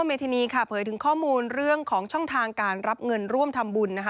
เมธินีค่ะเผยถึงข้อมูลเรื่องของช่องทางการรับเงินร่วมทำบุญนะคะ